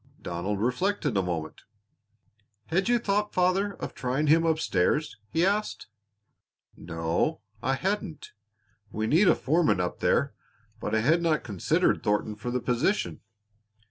Donald reflected a moment. "Had you thought, father, of trying him up stairs?" he asked. "No, I hadn't. We need a foreman up there, but I had not considered Thornton for the position.